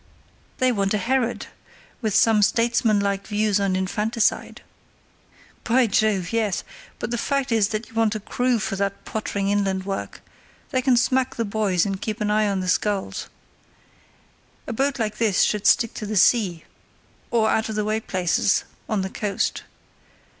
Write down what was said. "They want a Herod, with some statesmanlike views on infanticide." "By Jove! yes; but the fact is that you want a crew for that pottering inland work; they can smack the boys and keep an eye on the sculls. A boat like this should stick to the sea, or out of the way places on the coast.